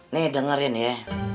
nih dengerin ya